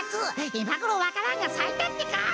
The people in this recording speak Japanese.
いまごろわか蘭がさいたってか！